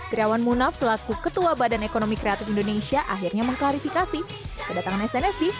triawan munaf selaku ketua badan ekonomi kreatif indonesia akhirnya mengklarifikasi kedatangan snsc